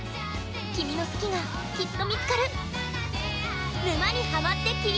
君の好きが、きっと見つかる。